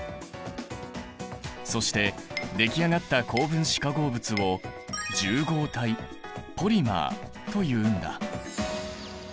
そしてでき上がった高分子化合物を重合体ポリマーというんだ。